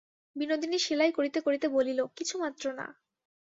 বিনোদিনী সেলাই করিতে করিতে বলিল, কিছুমাত্র না।